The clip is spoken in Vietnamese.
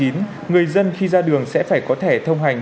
người dân khi ra đường sẽ phải có thẻ thông hành